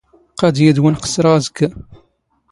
ⵇⴰⴷ ⵢⵉⴷⵡⵏ ⵇⵚⵚⵕⵖ ⴰⵙⴽⴽⴰ.